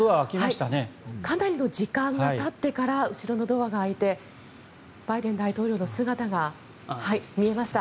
かなりの時間がたってから後ろのドアが開いてバイデン大統領の姿が見えました。